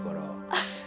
アハハハ！